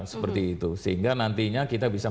seperti itu sehingga nantinya kita bisa